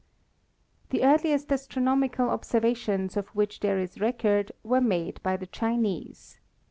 The earliest astronomical observations of which there is record were made by the Chinese.